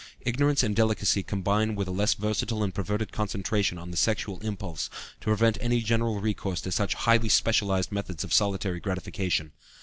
Ignorance and delicacy combine with a less versatile and perverted concentration on the sexual impulse to prevent any general recourse to such highly specialized methods of solitary gratification.